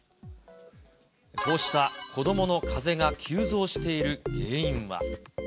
こうした子どものかぜが急増している原因は。